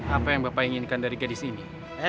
apa yang bapak inginkan dari gadis ini